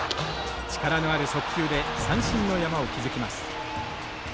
力のある速球で三振の山を築きます。